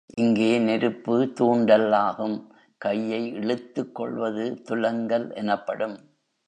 இங்கே நெருப்பு தூண்டல் ஆகும் கையை இழுத்துக் கொள்வது துலங்கல் எனப்படும்.